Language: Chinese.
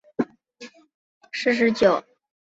卒年四十九。